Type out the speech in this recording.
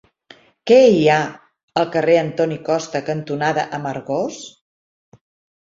Què hi ha al carrer Antoni Costa cantonada Amargós?